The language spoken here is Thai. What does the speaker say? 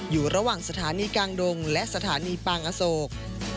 อยู่ระหว่างสถานีกลางดงและสถานีปางอโศก